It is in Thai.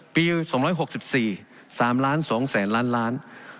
ปี๒๖๔๓ล้าน๒แสนล้านล้าน